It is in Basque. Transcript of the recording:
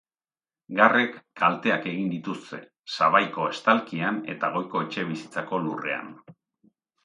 Garrek kalteak egin dituzte sabaiko estalkian eta goiko etxebizitzako lurrean.